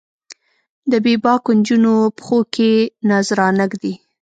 د بې باکو نجونو پښو کې نذرانه ږدي